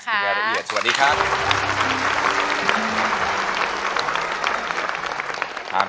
คุณยายระเอียดสวัสดีครับ